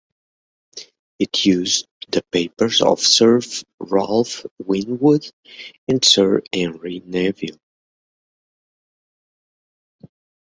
It used the papers of Sir Ralph Winwood and Sir Henry Neville.